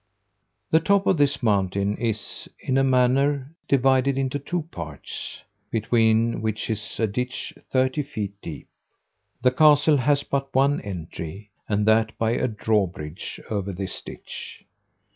The top of this mountain is, in a manner, divided into two parts, between which is a ditch thirty feet deep. The castle hath but one entry, and that by a drawbridge over this ditch.